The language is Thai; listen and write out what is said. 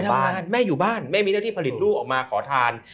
ออกไปทำงานแม่อยู่บ้านไม่มีเท่าที่ผลิตลูกออกมาขอทาน